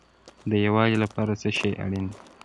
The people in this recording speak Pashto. د یووالي لپاره څه شی اړین دی؟